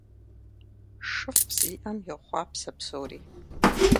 ШыфӀ зиӀэм йохъуапсэ псори.